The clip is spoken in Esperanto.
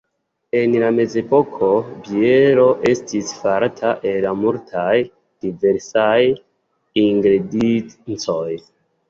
En la mezepoko biero estis farata el multaj diversaj ingrediencoj.